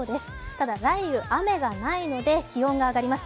ただ雷雨、雨がないので気温が上がります。